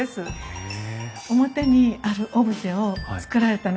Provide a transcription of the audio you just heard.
へえ。